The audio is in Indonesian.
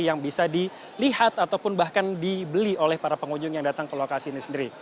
yang bisa dilihat ataupun bahkan dibeli oleh para pengunjung yang datang ke lokasi ini sendiri